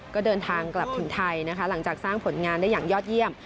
ก็เดินทางกลับถึงไทยนะคะหลังจากสร้างผลงานได้อย่างยอดเยี่ยม